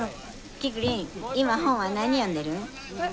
キクリン今本は何読んでるん？